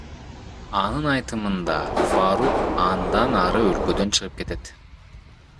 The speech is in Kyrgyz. Анын айтымында, Фарук андан ары өлкөдөн чыгып кетет.